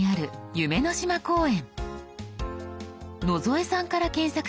夢の島公園。